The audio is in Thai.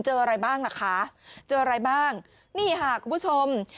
อะไรบ้างล่ะคะเจออะไรบ้างนี่ค่ะคุณผู้ชม